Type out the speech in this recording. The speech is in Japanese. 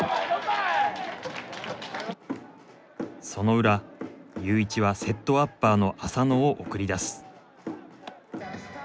そのウラユーイチはセットアッパーの浅野を送り出す。